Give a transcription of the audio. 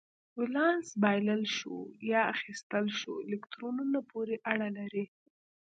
ولانس بایلل شوو یا اخیستل شوو الکترونونو پورې اړه لري.